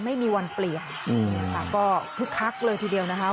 กับสิ่งที่ธรรมศาสตร์ได้สอนของผมมา